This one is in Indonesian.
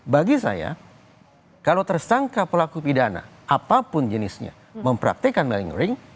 bagi saya kalau tersangka pelaku pidana apapun jenisnya mempraktekkan melingering